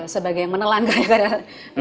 sebagai menelan karya karya tata ini